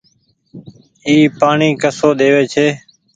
اي پآڻيٚ ڪسو ۮيوي ڇي۔